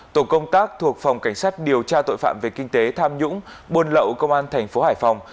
tổ công tác thuộc phòng cảnh sát điều tra tội phạm về kinh tế tham nhũng buôn lậu công an thành phố hải phòng